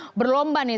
ini sudah berlomba nih